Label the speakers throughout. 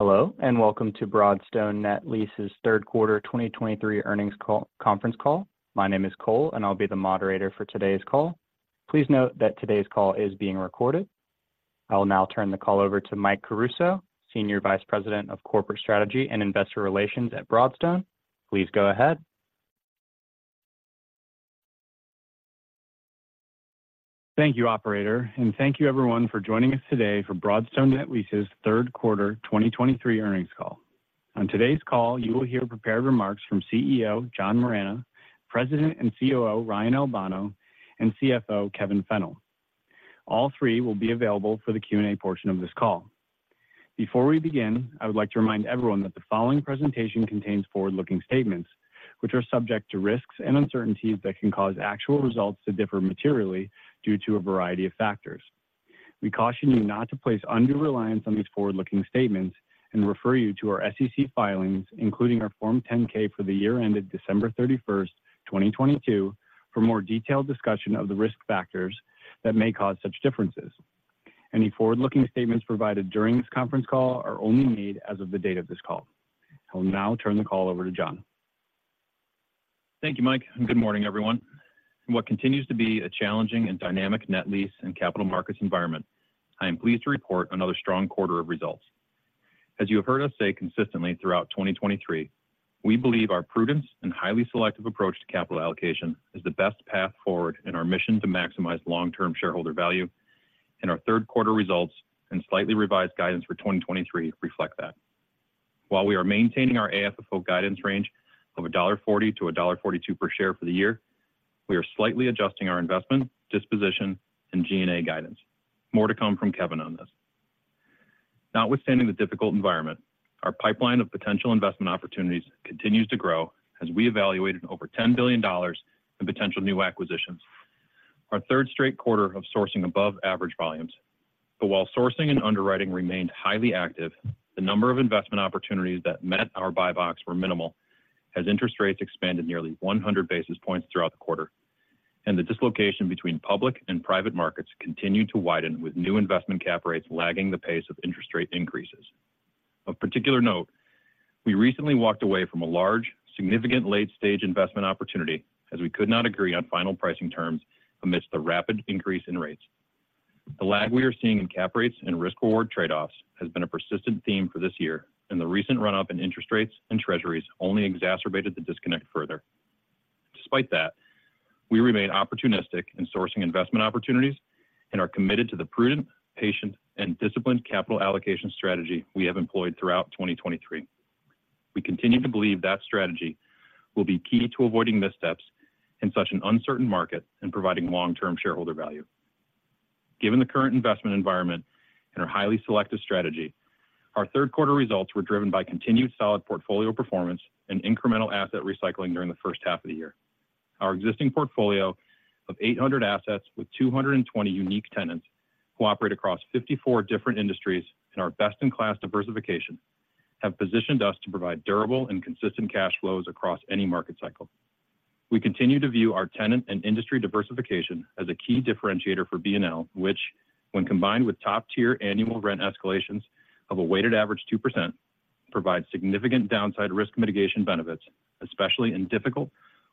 Speaker 1: Hello, and welcome to Broadstone Net Lease's third quarter 2023 earnings call, conference call. My name is Cole, and I'll be the moderator for today's call. Please note that today's call is being recorded. I will now turn the call over to Mike Caruso, Senior Vice President of Corporate Strategy and Investor Relations at Broadstone. Please go ahead.
Speaker 2: Thank you, operator, and thank you everyone for joining us today for Broadstone Net Lease's third quarter 2023 earnings call. On today's call, you will hear prepared remarks from CEO, John Moragne, President and COO, Ryan Albano, and CFO, Kevin Fennell. All three will be available for the Q&A portion of this call. Before we begin, I would like to remind everyone that the following presentation contains forward-looking statements, which are subject to risks and uncertainties that can cause actual results to differ materially due to a variety of factors. We caution you not to place undue reliance on these forward-looking statements and refer you to our SEC filings, including our Form 10-K for the year ended December 31, 2022, for more detailed discussion of the risk factors that may cause such differences. Any forward-looking statements provided during this conference call are only made as of the date of this call. I'll now turn the call over to John.
Speaker 3: Thank you, Mike, and good morning, everyone. In what continues to be a challenging and dynamic net lease and capital markets environment, I am pleased to report another strong quarter of results. As you have heard us say consistently throughout 2023, we believe our prudence and highly selective approach to capital allocation is the best path forward in our mission to maximize long-term shareholder value, and our third quarter results and slightly revised guidance for 2023 reflect that. While we are maintaining our AFFO guidance range of $1.40-$1.42 per share for the year, we are slightly adjusting our investment, disposition, and G&A guidance. More to come from Kevin on this. Notwithstanding the difficult environment, our pipeline of potential investment opportunities continues to grow as we evaluated over $10 billion in potential new acquisitions. Our third straight quarter of sourcing above average volumes. But while sourcing and underwriting remained highly active, the number of investment opportunities that met our buy box were minimal as interest rates expanded nearly 100 basis points throughout the quarter, and the dislocation between public and private markets continued to widen, with new investment cap rates lagging the pace of interest rate increases. Of particular note, we recently walked away from a large, significant late-stage investment opportunity as we could not agree on final pricing terms amidst the rapid increase in rates. The lag we are seeing in cap rates and risk reward trade-offs has been a persistent theme for this year, and the recent run-up in interest rates and treasuries only exacerbated the disconnect further. Despite that, we remain opportunistic in sourcing investment opportunities and are committed to the prudent, patient, and disciplined capital allocation strategy we have employed throughout 2023. We continue to believe that strategy will be key to avoiding missteps in such an uncertain market and providing long-term shareholder value. Given the current investment environment and our highly selective strategy, our third quarter results were driven by continued solid portfolio performance and incremental asset recycling during the first half of the year. Our existing portfolio of 800 assets with 220 unique tenants who operate across 54 different industries in our best-in-class diversification, have positioned us to provide durable and consistent cash flows across any market cycle. We continue to view our tenant and industry diversification as a key differentiator for BNL, which, when combined with top-tier annual rent escalations of a weighted average 2%, provides significant downside risk mitigation benefits, especially in difficult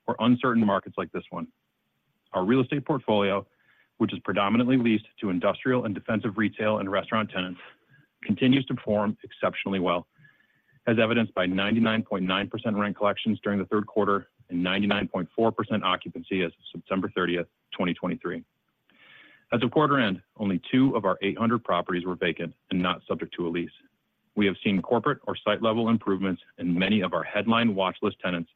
Speaker 3: or uncertain markets like this one. Our real estate portfolio, which is predominantly leased to industrial and defensive retail and restaurant tenants, continues to perform exceptionally well, as evidenced by 99.9% rent collections during the third quarter and 99.4% occupancy as of September 30, 2023. At the quarter end, only two of our 800 properties were vacant and not subject to a lease. We have seen corporate or site-level improvements in many of our headline watchlist tenants,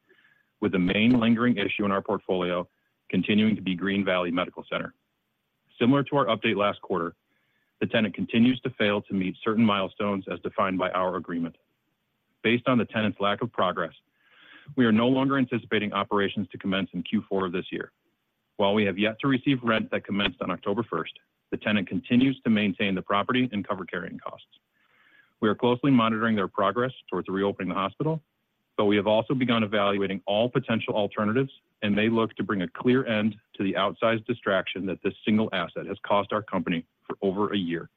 Speaker 3: with the main lingering issue in our portfolio continuing to be Green Valley Medical Center. Similar to our update last quarter, the tenant continues to fail to meet certain milestones as defined by our agreement. Based on the tenant's lack of progress, we are no longer anticipating operations to commence in Q4 of this year. While we have yet to receive rent that commenced on October first, the tenant continues to maintain the property and cover carrying costs. We are closely monitoring their progress towards reopening the hospital, but we have also begun evaluating all potential alternatives and may look to bring a clear end to the outsized distraction that this single asset has cost our company for over a year.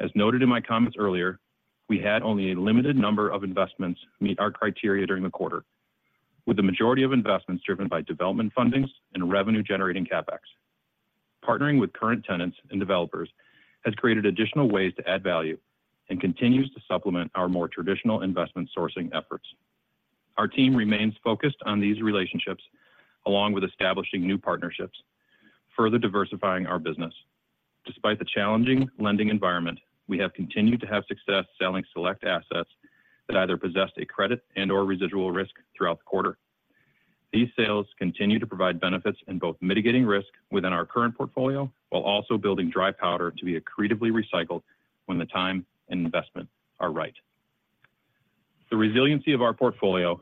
Speaker 3: As noted in my comments earlier, we had only a limited number of investments meet our criteria during the quarter, with the majority of investments driven by development fundings and Revenue-Generating CapEx. Partnering with current tenants and developers has created additional ways to add value and continues to supplement our more traditional investment sourcing efforts. Our team remains focused on these relationships, along with establishing new partnerships, further diversifying our business. Despite the challenging lending environment, we have continued to have success selling select assets that either possessed a credit and/or residual risk throughout the quarter. These sales continue to provide benefits in both mitigating risk within our current portfolio, while also building dry powder to be accretively recycled when the time and investment are right. The resiliency of our portfolio,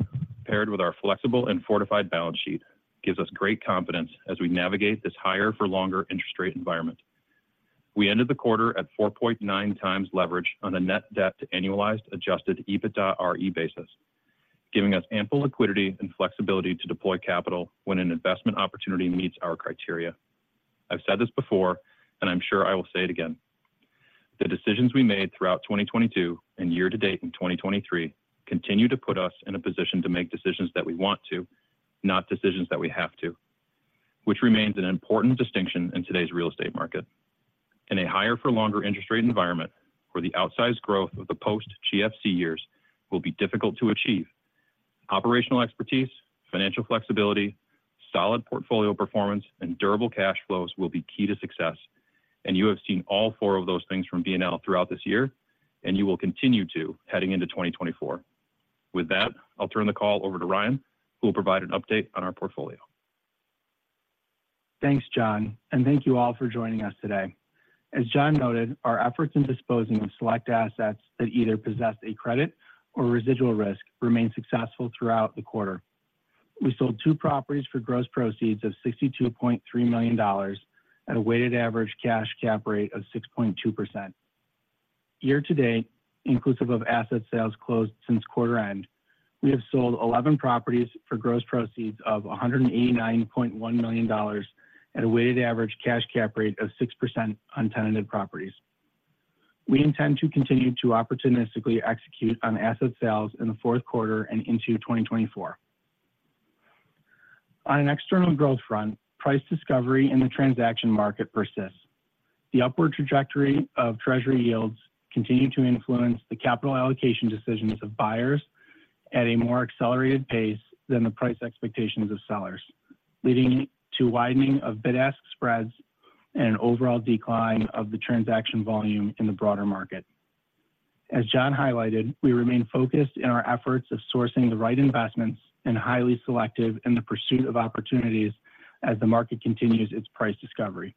Speaker 3: paired with our flexible and fortified balance sheet, gives us great confidence as we navigate this higher for longer interest rate environment. We ended the quarter at 4.9x leverage on a net debt to annualized adjusted EBITDAre basis. Giving us ample liquidity and flexibility to deploy capital when an investment opportunity meets our criteria. I've said this before, and I'm sure I will say it again. The decisions we made throughout 2022 and year to date in 2023 continue to put us in a position to make decisions that we want to, not decisions that we have to, which remains an important distinction in today's real estate market. In a higher for longer interest rate environment, where the outsized growth of the post GFC years will be difficult to achieve. Operational expertise, financial flexibility, solid portfolio performance, and durable cash flows will be key to success. You have seen all four of those things from BNL throughout this year, and you will continue to heading into 2024. With that, I'll turn the call over to Ryan, who will provide an update on our portfolio.
Speaker 4: Thanks, John, and thank you all for joining us today. As John noted, our efforts in disposing of select assets that either possess a credit or residual risk, remain successful throughout the quarter. We sold 2 properties for gross proceeds of $62.3 million at a weighted average cash cap rate of 6.2%. Year to date, inclusive of asset sales closed since quarter end, we have sold 11 properties for gross proceeds of $189.1 million at a weighted average cash cap rate of 6% on tenanted properties. We intend to continue to opportunistically execute on asset sales in the fourth quarter and into 2024. On an external growth front, price discovery in the transaction market persists. The upward trajectory of treasury yields continue to influence the capital allocation decisions of buyers at a more accelerated pace than the price expectations of sellers, leading to widening of bid-ask spreads and an overall decline of the transaction volume in the broader market. As John highlighted, we remain focused in our efforts of sourcing the right investments and highly selective in the pursuit of opportunities as the market continues its price discovery.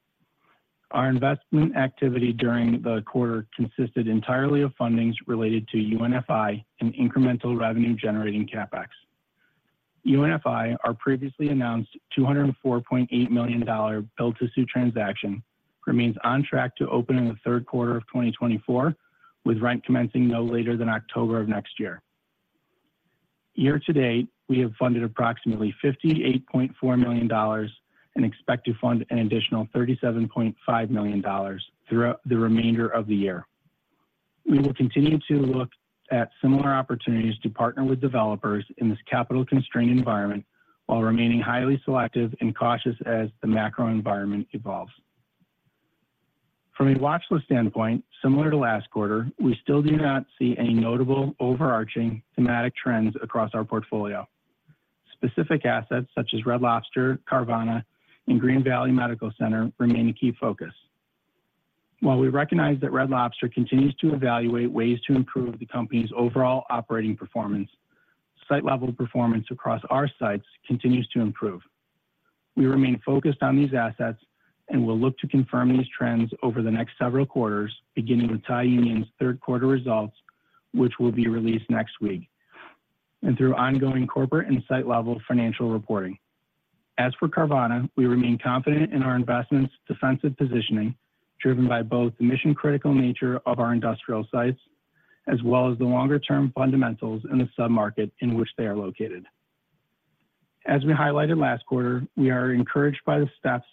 Speaker 4: Our investment activity during the quarter consisted entirely of fundings related to UNFI and incremental revenue generating CapEx. UNFI, our previously announced $204.8 million build-to-suit transaction, remains on track to open in the third quarter of 2024, with rent commencing no later than October of next year. Year to date, we have funded approximately $58.4 million and expect to fund an additional $37.5 million throughout the remainder of the year. We will continue to look at similar opportunities to partner with developers in this capital-constrained environment while remaining highly selective and cautious as the macro environment evolves. From a watchlist standpoint, similar to last quarter, we still do not see any notable overarching thematic trends across our portfolio. Specific assets such as Red Lobster, Carvana, and Green Valley Medical Center, remain a key focus. While we recognize that Red Lobster continues to evaluate ways to improve the company's overall operating performance, site level performance across our sites continues to improve. We remain focused on these assets and will look to confirm these trends over the next several quarters, beginning with Thai Union's third quarter results, which will be released next week, and through ongoing corporate and site-level financial reporting. As for Carvana, we remain confident in our investment's defensive positioning, driven by both the mission-critical nature of our industrial sites, as well as the longer term fundamentals in the sub-market in which they are located. As we highlighted last quarter, we are encouraged by the steps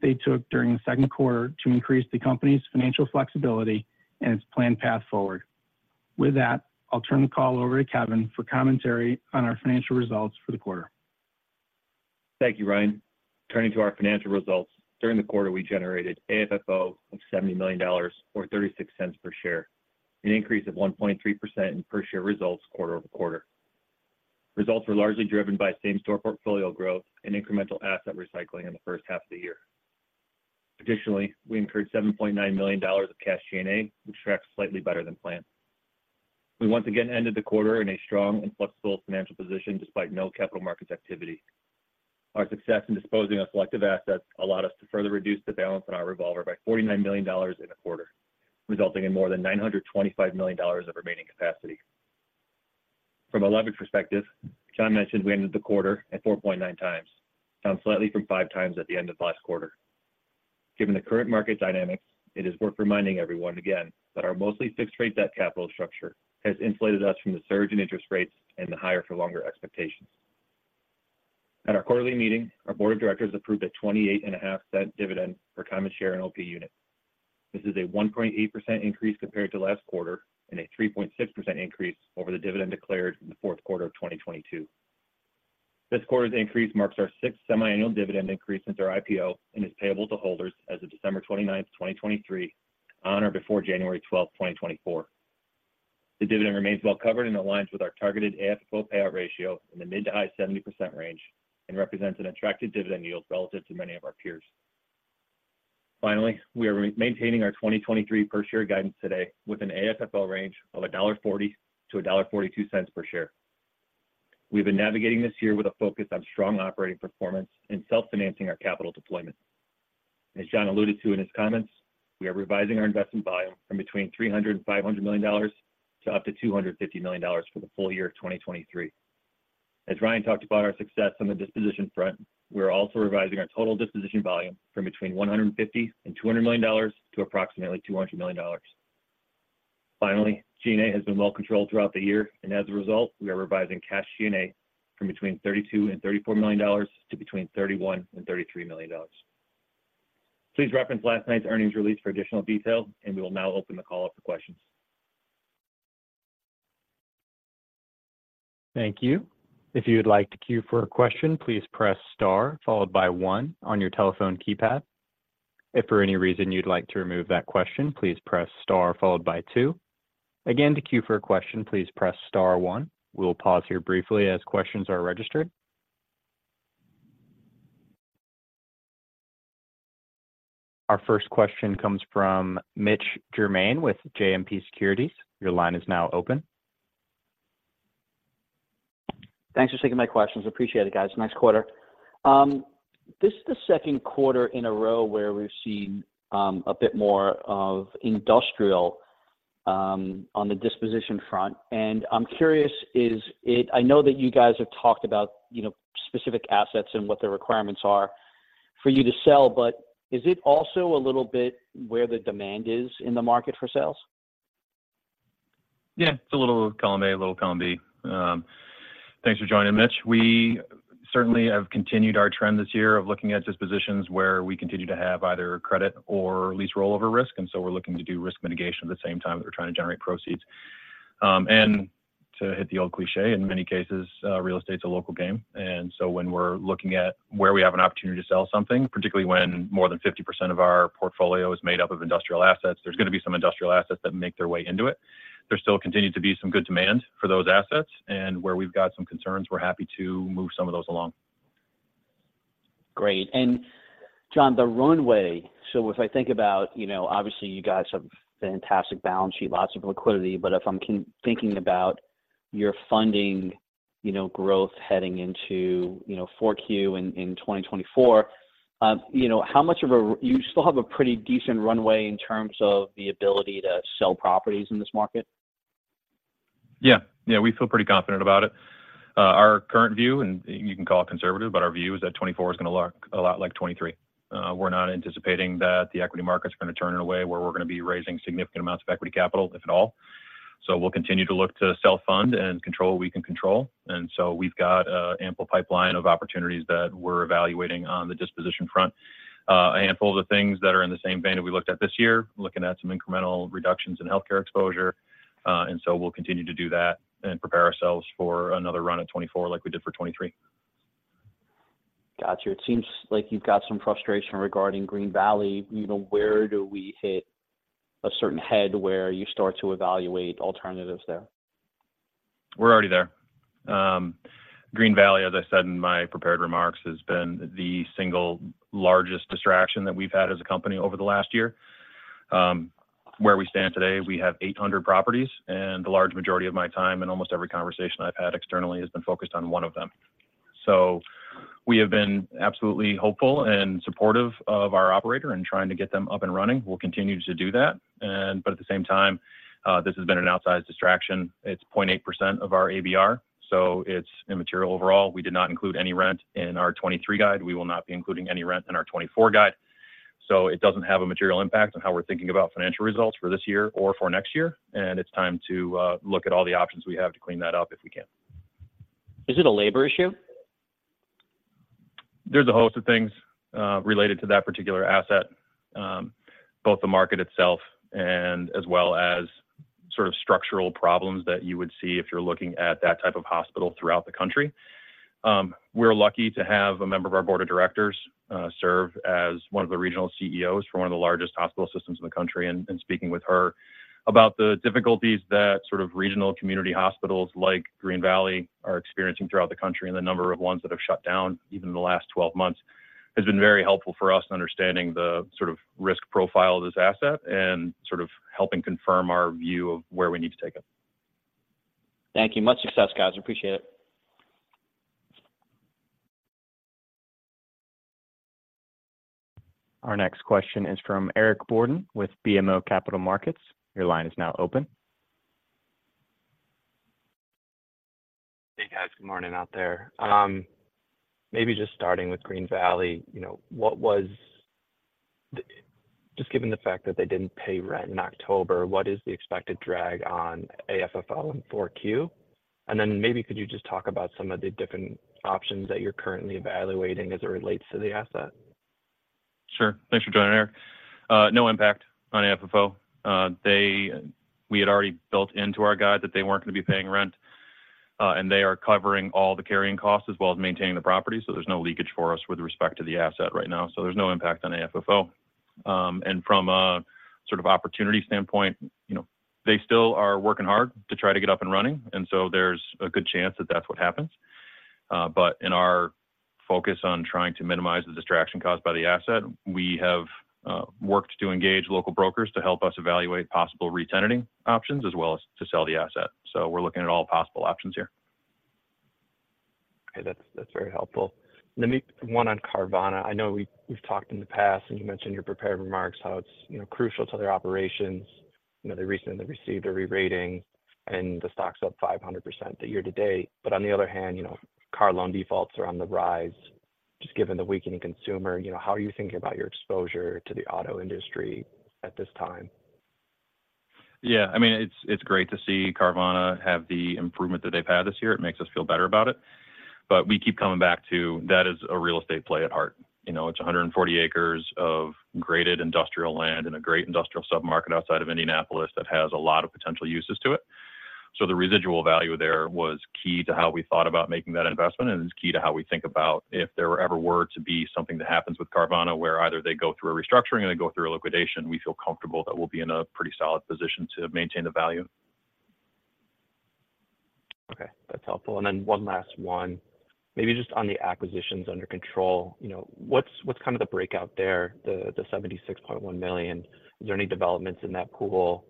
Speaker 4: they took during the second quarter to increase the company's financial flexibility and its planned path forward. With that, I'll turn the call over to Kevin for commentary on our financial results for the quarter.
Speaker 5: Thank you, Ryan. Turning to our financial results, during the quarter, we generated AFFO of $70 million or $0.36 per share, an increase of 1.3% in per share results quarter-over-quarter. Results were largely driven by same-store portfolio growth and incremental asset recycling in the first half of the year. Additionally, we incurred $7.9 million of cash G&A, which tracks slightly better than planned. We once again ended the quarter in a strong and flexible financial position, despite no capital markets activity. Our success in disposing of selective assets allowed us to further reduce the balance in our revolver by $49 million in a quarter, resulting in more than $925 million of remaining capacity. From a leverage perspective, John mentioned we ended the quarter at 4.9 times, down slightly from 5 times at the end of last quarter. Given the current market dynamics, it is worth reminding everyone again that our mostly fixed rate debt capital structure has insulated us from the surge in interest rates and the higher for longer expectations. At our quarterly meeting, our board of directors approved a $0.285 dividend per common share and OP unit. This is a 1.8% increase compared to last quarter, and a 3.6% increase over the dividend declared in the fourth quarter of 2022. This quarter's increase marks our sixth semiannual dividend increase since our IPO, and is payable to holders as of December 29, 2023, on or before January 12, 2024. The dividend remains well covered and aligns with our targeted AFFO payout ratio in the mid- to high-70% range, and represents an attractive dividend yield relative to many of our peers. Finally, we are maintaining our 2023 per share guidance today with an AFFO range of $1.40-$1.42 per share. We've been navigating this year with a focus on strong operating performance and self-financing our capital deployment. As John alluded to in his comments, we are revising our investment volume from between $300-$500 million to up to $250 million for the full year of 2023. As Ryan talked about our success on the disposition front, we are also revising our total disposition volume from between $150-$200 million to approximately $200 million. Finally, G&A has been well controlled throughout the year, and as a result, we are revising cash G&A from between $32 million and $34 million to between $31 million and $33 million. Please reference last night's earnings release for additional detail, and we will now open the call up for questions.
Speaker 1: Thank you. If you'd like to queue for a question, please press Star, followed by one on your telephone keypad. If for any reason you'd like to remove that question, please press Star followed by two. Again, to queue for a question, please press Star one. We'll pause here briefly as questions are registered. Our first question comes from Mitch Germain with JMP Securities. Your line is now open.
Speaker 6: Thanks for taking my questions. Appreciate it, guys. Nice quarter. This is the second quarter in a row where we've seen a bit more of industrial on the disposition front, and I'm curious, is it—I know that you guys have talked about, you know, specific assets and what the requirements are for you to sell, but is it also a little bit where the demand is in the market for sales?
Speaker 3: Yeah, it's a little column A, a little column B. Thanks for joining, Mitch. We certainly have continued our trend this year of looking at dispositions where we continue to have either credit or lease rollover risk, and so we're looking to do risk mitigation at the same time that we're trying to generate proceeds. And to hit the old cliché, in many cases, real estate's a local game, and so when we're looking at where we have an opportunity to sell something, particularly when more than 50% of our portfolio is made up of industrial assets, there's going to be some industrial assets that make their way into it. There still continue to be some good demand for those assets, and where we've got some concerns, we're happy to move some of those along.
Speaker 6: Great. And John, the runway, so if I think about, you know, obviously, you guys have fantastic balance sheet, lots of liquidity, but if I'm thinking about your funding, you know, growth heading into, you know, 4Q in 2024, you know, you still have a pretty decent runway in terms of the ability to sell properties in this market?
Speaker 3: Yeah. Yeah, we feel pretty confident about it. Our current view, and you can call it conservative, but our view is that 2024 is going to look a lot like 2023. We're not anticipating that the equity market is going to turn in a way where we're going to be raising significant amounts of equity capital, if at all. So we'll continue to look to self-fund and control what we can control, and so we've got an ample pipeline of opportunities that we're evaluating on the disposition front. A handful of the things that are in the same vein that we looked at this year, looking at some incremental reductions in healthcare exposure, and so we'll continue to do that and prepare ourselves for another run at 2024 like we did for 2023.
Speaker 6: Got you. It seems like you've got some frustration regarding Green Valley. You know, where do we hit a certain head where you start to evaluate alternatives there?
Speaker 3: We're already there. Green Valley, as I said in my prepared remarks, has been the single largest distraction that we've had as a company over the last year. Where we stand today, we have 800 properties, and the large majority of my time and almost every conversation I've had externally has been focused on one of them. So we have been absolutely hopeful and supportive of our operator in trying to get them up and running. We'll continue to do that, and, but at the same time, this has been an outsized distraction. It's 0.8% of our ABR, so it's immaterial overall. We did not include any rent in our 2023 guide. We will not be including any rent in our 2024 guide. So it doesn't have a material impact on how we're thinking about financial results for this year or for next year, and it's time to look at all the options we have to clean that up if we can.
Speaker 6: Is it a labor issue?
Speaker 3: There's a host of things, related to that particular asset, both the market itself and as well as sort of structural problems that you would see if you're looking at that type of hospital throughout the country. We're lucky to have a member of our board of directors, serve as one of the regional CEOs for one of the largest hospital systems in the country, and, and speaking with her about the difficulties that sort of regional community hospitals like Green Valley are experiencing throughout the country, and the number of ones that have shut down even in the last 12 months, has been very helpful for us in understanding the sort of risk profile of this asset and sort of helping confirm our view of where we need to take it.
Speaker 6: Thank you. Much success, guys. Appreciate it.
Speaker 1: Our next question is from Eric Borden, with BMO Capital Markets. Your line is now open.
Speaker 7: Hey, guys, good morning out there. Maybe just starting with Green Valley, you know, what was the—Just given the fact that they didn't pay rent in October, what is the expected drag on AFFO in 4Q? And then maybe could you just talk about some of the different options that you're currently evaluating as it relates to the asset?
Speaker 3: Sure. Thanks for joining, Eric. No impact on AFFO. We had already built into our guide that they weren't going to be paying rent, and they are covering all the carrying costs as well as maintaining the property, so there's no leakage for us with respect to the asset right now. So there's no impact on AFFO. And from a sort of opportunity standpoint, you know, they still are working hard to try to get up and running, and so there's a good chance that that's what happens. But in our focus on trying to minimize the distraction caused by the asset, we have worked to engage local brokers to help us evaluate possible re-tenanting options as well as to sell the asset. So we're looking at all possible options here.
Speaker 7: Okay. That's, that's very helpful. Let me... One on Carvana. I know we- we've talked in the past, and you mentioned in your prepared remarks how it's, you know, crucial to their operations. You know, they recently received a re-rating, and the stock's up 500% the year to date. But on the other hand, you know, car loan defaults are on the rise.... just given the weakening consumer, you know, how are you thinking about your exposure to the auto industry at this time?
Speaker 3: Yeah, I mean, it's great to see Carvana have the improvement that they've had this year. It makes us feel better about it. But we keep coming back to that is a real estate play at heart. You know, it's 140 acres of graded industrial land and a great industrial submarket outside of Indianapolis that has a lot of potential uses to it. So the residual value there was key to how we thought about making that investment, and is key to how we think about if there ever were to be something that happens with Carvana, where either they go through a restructuring or they go through a liquidation, we feel comfortable that we'll be in a pretty solid position to maintain the value.
Speaker 7: Okay, that's helpful. And then one last one. Maybe just on the acquisitions under control, you know, what's kind of the breakout there, the $76.1 million? Is there any developments in that pool?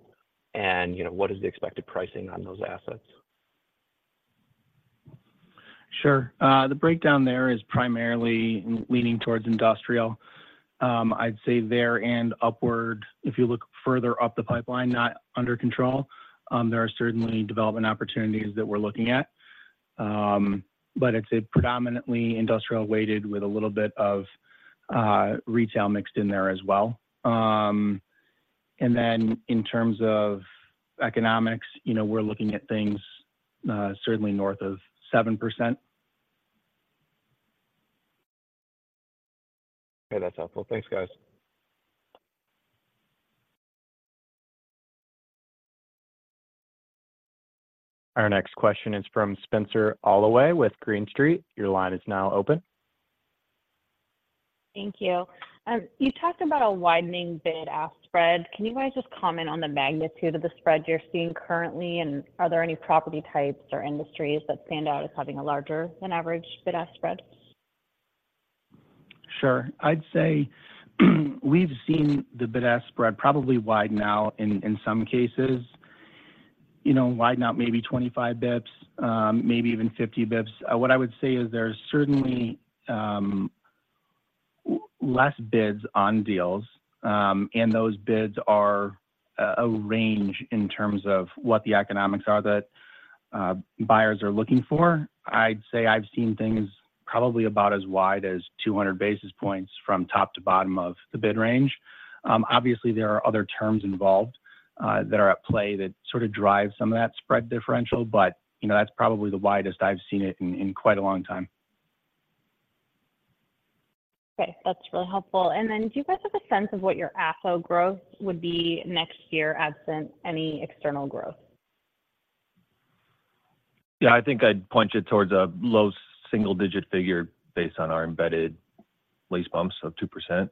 Speaker 7: And, you know, what is the expected pricing on those assets?
Speaker 4: Sure. The breakdown there is primarily leaning towards industrial. I'd say there and upward, if you look further up the pipeline, not under control, there are certainly development opportunities that we're looking at. But it's a predominantly industrial weighted with a little bit of retail mixed in there as well. And then in terms of economics, you know, we're looking at things certainly north of 7%.
Speaker 7: Okay, that's helpful. Thanks, guys.
Speaker 1: Our next question is from Spenser Allaway with Green Street. Your line is now open.
Speaker 8: Thank you. You talked about a widening bid-ask spread. Can you guys just comment on the magnitude of the spread you're seeing currently, and are there any property types or industries that stand out as having a larger than average bid-ask spread?
Speaker 4: Sure. I'd say, we've seen the bid-ask spread probably widen out in some cases, you know, widen out maybe 25 basis points, maybe even 50 basis points. What I would say is there's certainly less bids on deals, and those bids are a range in terms of what the economics are that buyers are looking for. I'd say I've seen things probably about as wide as 200 basis points from top to bottom of the bid range. Obviously, there are other terms involved that are at play that sort of drive some of that spread differential, but, you know, that's probably the widest I've seen it in quite a long time.
Speaker 8: Okay. That's really helpful. And then, do you guys have a sense of what your AFFO growth would be next year, absent any external growth?
Speaker 3: Yeah, I think I'd point you towards a low single-digit figure based on our embedded lease bumps of 2%.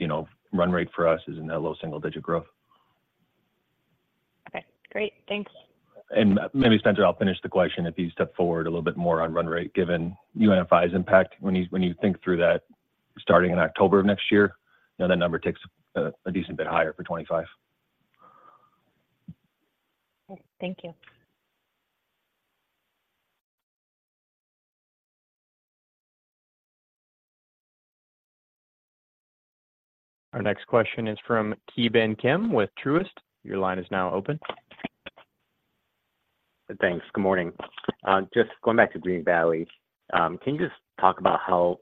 Speaker 3: You know, run rate for us is in that low single-digit growth.
Speaker 8: Okay, great. Thanks.
Speaker 3: And maybe, Spencer, I'll finish the question. If you step forward a little bit more on run rate, given UNFI's impact, when you, when you think through that, starting in October of next year, you know, that number takes a, a decent bit higher for 2025.
Speaker 8: Thank you.
Speaker 1: Our next question is from Ki Bin Kim with Truist. Your line is now open.
Speaker 9: Thanks. Good morning. Just going back to Green Valley, can you just talk about how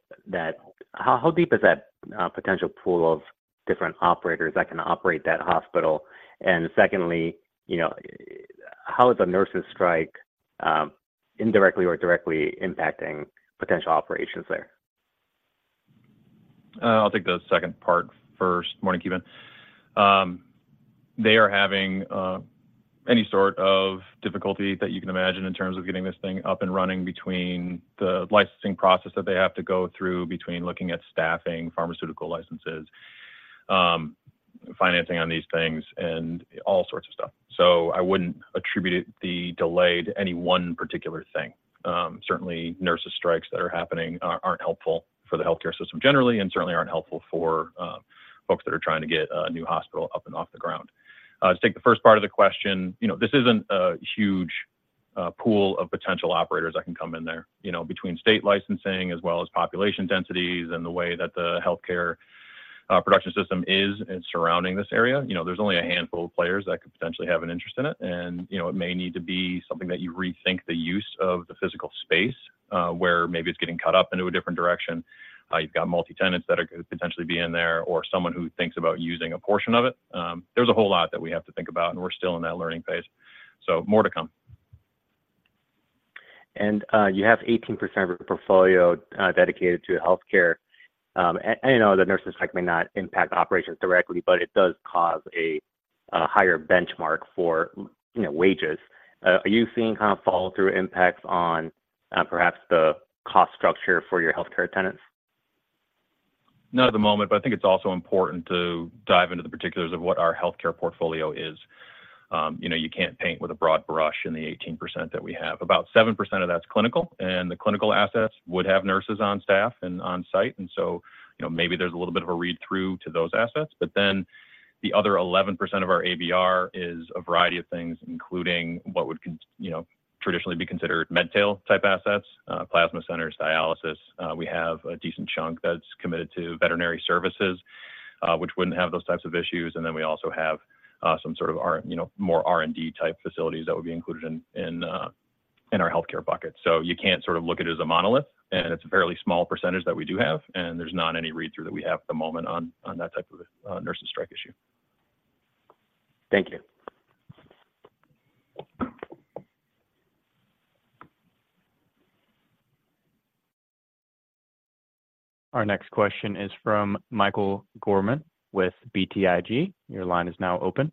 Speaker 9: deep is that potential pool of different operators that can operate that hospital? And secondly, you know, how is the nurses strike indirectly or directly impacting potential operations there?
Speaker 3: I'll take the second part first. Morning, Ki Bin. They are having any sort of difficulty that you can imagine in terms of getting this thing up and running between the licensing process that they have to go through, between looking at staffing, pharmaceutical licenses, financing on these things, and all sorts of stuff. So I wouldn't attribute it, the delay, to any one particular thing. Certainly, nurses strikes that are happening aren't helpful for the healthcare system generally, and certainly aren't helpful for folks that are trying to get a new hospital up and off the ground. To take the first part of the question, you know, this isn't a huge pool of potential operators that can come in there. You know, between state licensing as well as population densities and the way that the healthcare production system is in surrounding this area, you know, there's only a handful of players that could potentially have an interest in it. And, you know, it may need to be something that you rethink the use of the physical space, where maybe it's getting cut up into a different direction. You've got multi-tenants that are gonna potentially be in there, or someone who thinks about using a portion of it. There's a whole lot that we have to think about, and we're still in that learning phase, so more to come.
Speaker 9: You have 18% of your portfolio dedicated to healthcare. I know the nurses strike may not impact operations directly, but it does cause a higher benchmark for, you know, wages. Are you seeing kind of follow-through impacts on, perhaps the cost structure for your healthcare tenants?
Speaker 3: Not at the moment, but I think it's also important to dive into the particulars of what our healthcare portfolio is. You know, you can't paint with a broad brush in the 18% that we have. About 7% of that's clinical, and the clinical assets would have nurses on staff and on-site, and so, you know, maybe there's a little bit of a read-through to those assets. But then, the other 11% of our ABR is a variety of things, including what would, you know, traditionally be considered medtail type assets, plasma centers, dialysis. We have a decent chunk that's committed to veterinary services, which wouldn't have those types of issues. And then we also have some sort of our, you know, more R&D type facilities that would be included in our healthcare bucket. You can't sort of look at it as a monolith, and it's a fairly small percentage that we do have, and there's not any read-through that we have at the moment on that type of a nurses strike issue.
Speaker 4: Thank you.
Speaker 1: Our next question is from Michael Gorman with BTIG. Your line is now open.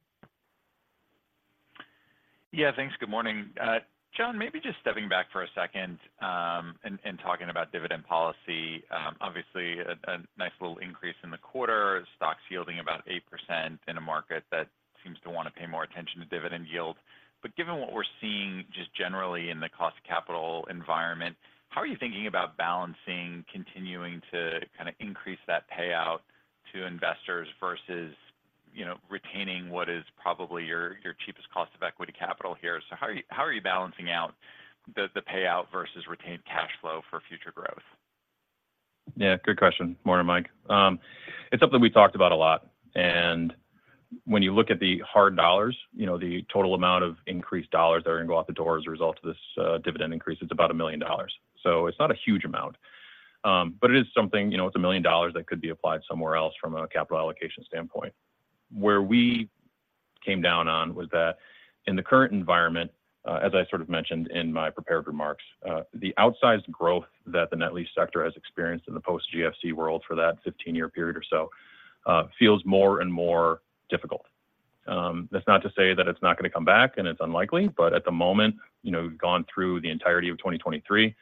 Speaker 10: Yeah, thanks. Good morning. John, maybe just stepping back for a second, and talking about dividend policy. Obviously a nice little increase in the quarter. Stock's yielding about 8% in a market that seems to want to pay more attention to dividend yield. But given what we're seeing just generally in the cost of capital environment, how are you thinking about balancing, continuing to kind of increase that payout to investors versus, you know, retaining what is probably your cheapest cost of equity capital here? So how are you balancing out the payout versus retained cash flow for future growth?
Speaker 3: Yeah, good question. Morning, Mike. It's something we talked about a lot, and when you look at the hard dollars, you know, the total amount of increased dollars that are going to go out the door as a result of this, dividend increase, it's about $1 million. So it's not a huge amount, but it is something, you know, it's $1 million that could be applied somewhere else from a capital allocation standpoint. Where we came down on was that in the current environment, as I sort of mentioned in my prepared remarks, the outsized growth that the net lease sector has experienced in the post GFC world for that 15-year period or so, feels more and more difficult. That's not to say that it's not going to come back, and it's unlikely, but at the moment, you know, we've gone through the entirety of 2023.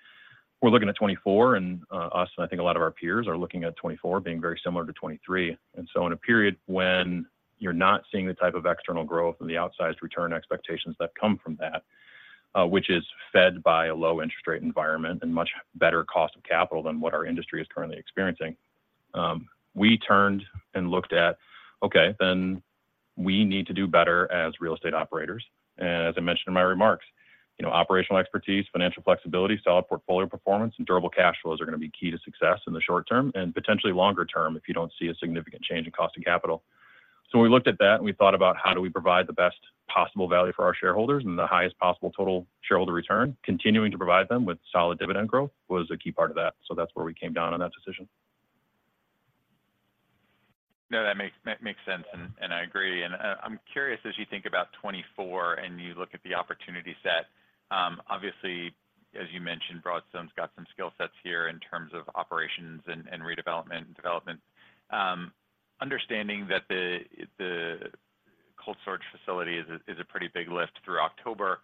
Speaker 3: We're looking at 2024, and us, and I think a lot of our peers are looking at 2024 being very similar to 2023. And so in a period when you're not seeing the type of external growth and the outsized return expectations that come from that, which is fed by a low interest rate environment and much better cost of capital than what our industry is currently experiencing, we turned and looked at, okay, then we need to do better as real estate operators. As I mentioned in my remarks, you know, operational expertise, financial flexibility, solid portfolio performance, and durable cash flows are going to be key to success in the short term, and potentially longer term if you don't see a significant change in cost of capital. When we looked at that, and we thought about how do we provide the best possible value for our shareholders and the highest possible total shareholder return, continuing to provide them with solid dividend growth was a key part of that. That's where we came down on that decision.
Speaker 10: No, that makes sense, and I agree. I'm curious, as you think about 2024 and you look at the opportunity set, obviously, as you mentioned, Broadstone's got some skill sets here in terms of operations and redevelopment and development. Understanding that the cold storage facility is a pretty big lift through October,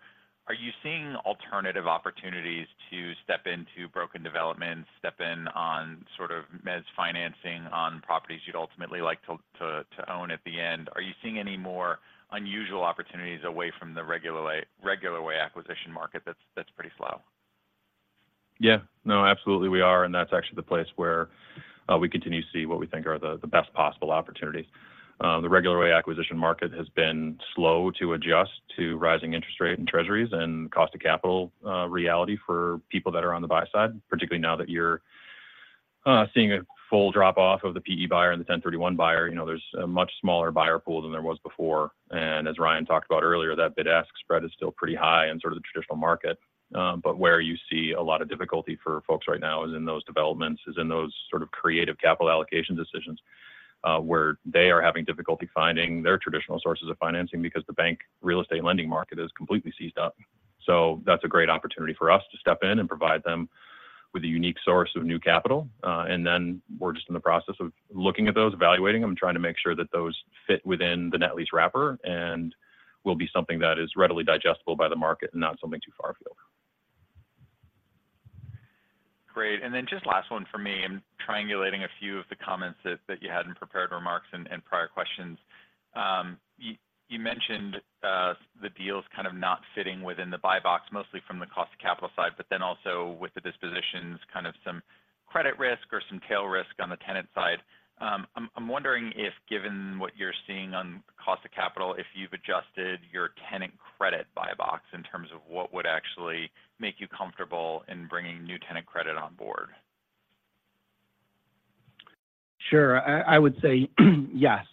Speaker 10: are you seeing alternative opportunities to step into build-to-suit development, step in on sort of mezz financing on properties you'd ultimately like to own at the end? Are you seeing any more unusual opportunities away from the regular way acquisition market that's pretty slow?
Speaker 3: Yeah. No, absolutely we are, and that's actually the place where we continue to see what we think are the best possible opportunities. The regular way acquisition market has been slow to adjust to rising interest rate and treasuries and cost of capital reality for people that are on the buy side, particularly now that you're seeing a full drop-off of the PE buyer and the 1031 buyer. You know, there's a much smaller buyer pool than there was before, and as Ryan talked about earlier, that bid-ask spread is still pretty high in sort of the traditional market. But where you see a lot of difficulty for folks right now is in those developments, is in those sort of creative capital allocation decisions, where they are having difficulty finding their traditional sources of financing because the bank real estate lending market is completely seized up. So that's a great opportunity for us to step in and provide them with a unique source of new capital. And then we're just in the process of looking at those, evaluating them, trying to make sure that those fit within the net lease wrapper and will be something that is readily digestible by the market and not something too far field.
Speaker 10: Great. Then just last one for me. I'm triangulating a few of the comments that you had in prepared remarks and prior questions. You mentioned the deals kind of not fitting within the buy box, mostly from the cost of capital side, but then also with the dispositions, kind of some credit risk or some tail risk on the tenant side. I'm wondering if, given what you're seeing on cost of capital, if you've adjusted your tenant credit buy box in terms of what would actually make you comfortable in bringing new tenant credit on board?
Speaker 4: Sure. I would say, yes,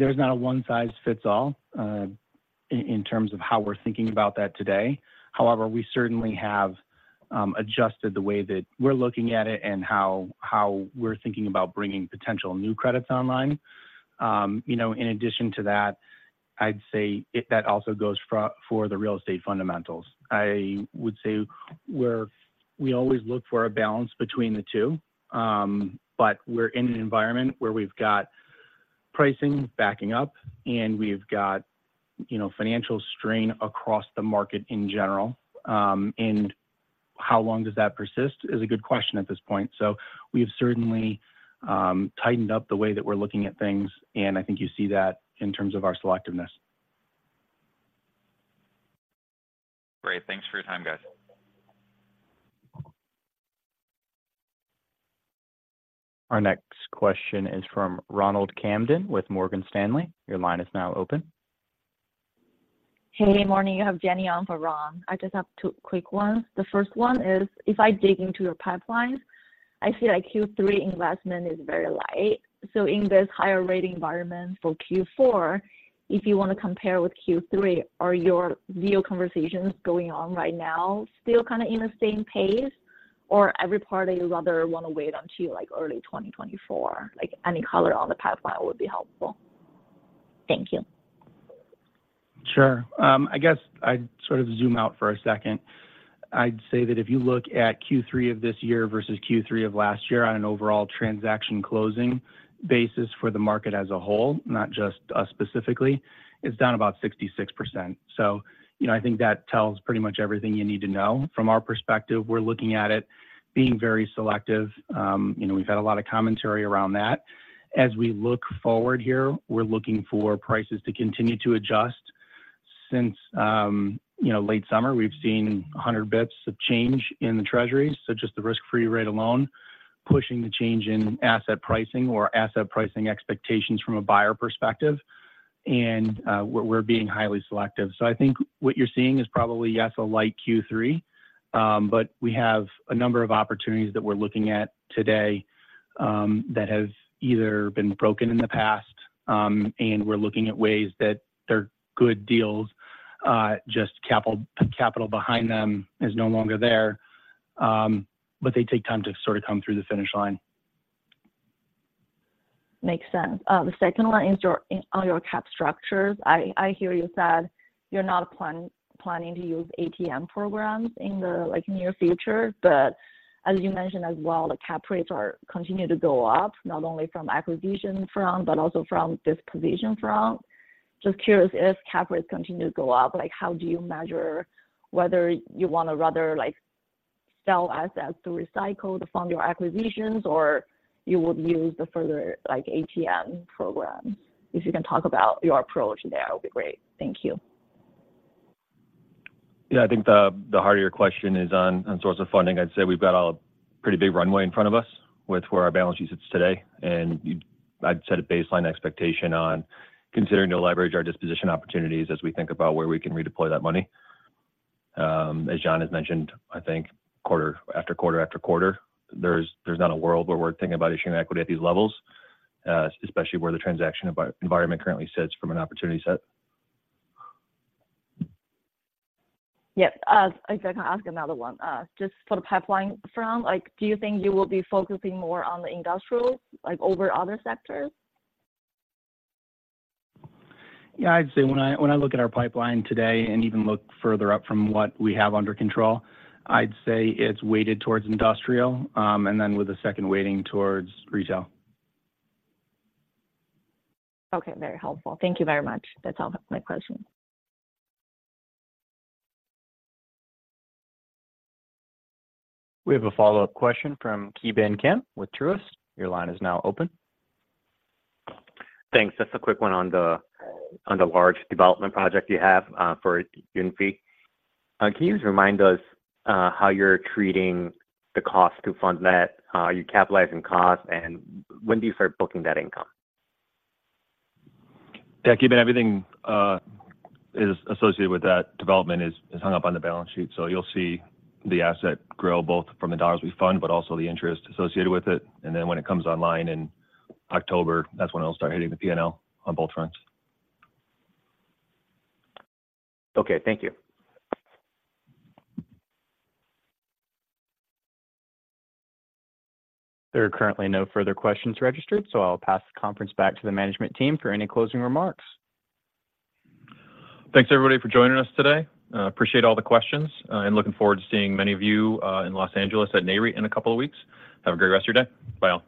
Speaker 4: there's not a one size fits all, in terms of how we're thinking about that today. However, we certainly have adjusted the way that we're looking at it and how we're thinking about bringing potential new credits online. You know, in addition to that, I'd say it-- that also goes for the real estate fundamentals. I would say we're-- we always look for a balance between the two, but we're in an environment where we've got pricing backing up, and we've got, you know, financial strain across the market in general. And how long does that persist is a good question at this point. So we have certainly tightened up the way that we're looking at things, and I think you see that in terms of our selectiveness.
Speaker 10: Great. Thanks for your time, guys.
Speaker 1: Our next question is from Ronald Kamdem with Morgan Stanley. Your line is now open.
Speaker 11: Hey, morning. You have Jenny on for Ron. I just have two quick ones. The first one is, if I dig into your pipelines, I see that Q3 investment is very light. So in this higher rate environment for Q4, if you wanna compare with Q3, are your deal conversations going on right now still kind of in the same pace, or every part of you rather wanna wait until, like, early 2024? Like, any color on the pipeline would be helpful. Thank you.
Speaker 4: Sure. I guess I'd sort of zoom out for a second. I'd say that if you look at Q3 of this year versus Q3 of last year on an overall transaction closing basis for the market as a whole, not just us specifically, it's down about 66%. So, you know, I think that tells pretty much everything you need to know. From our perspective, we're looking at it, being very selective. You know, we've had a lot of commentary around that. As we look forward here, we're looking for prices to continue to adjust. Since, you know, late summer, we've seen 100 basis points of change in the treasuries, so just the risk-free rate alone, pushing the change in asset pricing or asset pricing expectations from a buyer perspective, and we're being highly selective. So I think what you're seeing is probably, yes, a light Q3, but we have a number of opportunities that we're looking at today, that have either been broken in the past, and we're looking at ways that they're good deals, just capital behind them is no longer there, but they take time to sort of come through the finish line.
Speaker 11: Makes sense. The second one is your, on your cap structures. I hear you said you're not planning to use ATM programs in the, like, near future, but as you mentioned as well, the cap rates are continue to go up, not only from acquisition front, but also from disposition front. Just curious, as cap rates continue to go up, like, how do you measure whether you wanna rather, like, sell assets to recycle to fund your acquisitions, or you would use the further, like, ATM programs? If you can talk about your approach there, it'll be great. Thank you.
Speaker 5: Yeah, I think the heart of your question is on source of funding. I'd say we've got a pretty big runway in front of us with where our balance sheet sits today, and you- I'd set a baseline expectation on considering to leverage our disposition opportunities as we think about where we can redeploy that money. As John has mentioned, I think quarter after quarter after quarter, there's not a world where we're thinking about issuing equity at these levels, especially where the transaction environment currently sits from an opportunity set.
Speaker 11: Yep. If I can ask another one. Just for the pipeline front, like, do you think you will be focusing more on the industrial, like, over other sectors?
Speaker 4: Yeah, I'd say when I, when I look at our pipeline today and even look further up from what we have under control, I'd say it's weighted towards industrial, and then with a second weighting towards retail.
Speaker 11: Okay, very helpful. Thank you very much. That's all my questions.
Speaker 1: We have a follow-up question from Ki Bin Kim with Truist. Your line is now open.
Speaker 9: Thanks. Just a quick one on the large development project you have for UNFI. Can you just remind us how you're treating the cost to fund that? Are you capitalizing costs, and when do you start booking that income?
Speaker 5: Yeah, Ki Bin, everything associated with that development is hung up on the balance sheet. So you'll see the asset grow both from the dollars we fund, but also the interest associated with it. And then when it comes online in October, that's when it'll start hitting the PNL on both fronts.
Speaker 9: Okay. Thank you.
Speaker 1: There are currently no further questions registered, so I'll pass the conference back to the management team for any closing remarks.
Speaker 3: Thanks, everybody, for joining us today. Appreciate all the questions, and looking forward to seeing many of you, in Los Angeles at NAREIT in a couple of weeks. Have a great rest of your day. Bye all.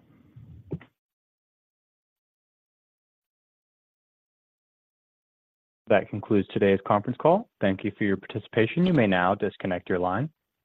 Speaker 1: That concludes today's conference call. Thank you for your participation. You may now disconnect your line.